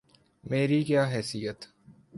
میری کیا حیثیت؟